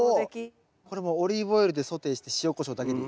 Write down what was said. これもうオリーブオイルでソテーして塩こしょうだけでいい。